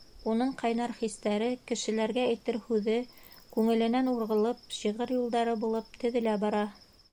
Уның ҡайнар хистәре, кешеләргә әйтер һүҙе күңеленән урғылып, шиғыр юлдары булып теҙелә бара.